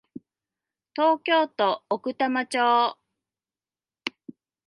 東京都奥多摩町